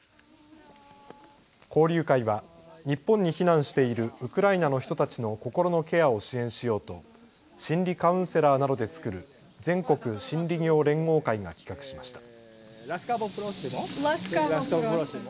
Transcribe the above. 交流会は日本に避難しているウクライナの人たちの心のケアを支援しようと心理カウンセラーなどで作る全国心理業連合会が企画しました。